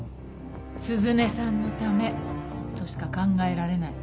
涼音さんのためとしか考えられない。